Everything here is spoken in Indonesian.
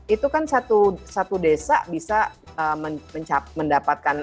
itu kan satu desa bisa mendapatkan